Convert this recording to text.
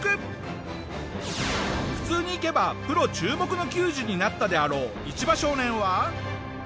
普通にいけばプロ注目の球児になったであろうイチバ少年は。